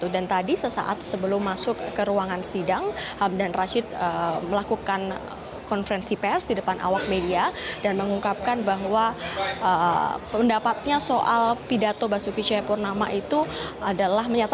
dan tadi sesaat sebelum masuk ke ruangan sidang hamdan rashid melakukan konferensi pers di depan awak media dan mengungkapkan bahwa pendapatnya soal pidato basuki cepurnama itu adalah